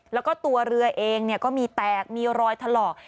แล้วก็ตัวเรือเองก็มีแตกมีรอยถลอก